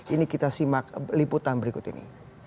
ini kita simak liputan berikut ini